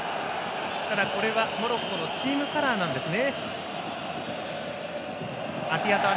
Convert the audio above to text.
これはモロッコのチームカラーなんですね。